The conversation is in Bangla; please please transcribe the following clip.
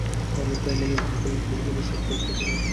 আমি তো এমনেই বলছিলাম কলেজের মধ্যে শর্ট স্কার্ট পরা নিষেধ।